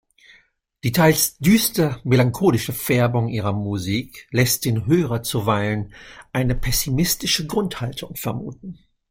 Die teils düster-melancholische Färbung ihrer Musik lässt den Hörer zuweilen eine pessimistische Grundhaltung vermuten.